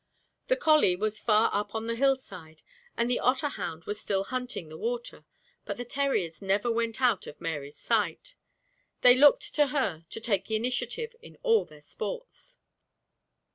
The colley was far up on the hill side, and the otter hound was still hunting the water, but the terriers never went out of Mary's sight. They looked to her to take the initiative in all their sports.